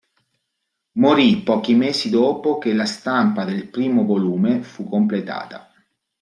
Morì pochi mesi dopo che la stampa del primo volume fu completata.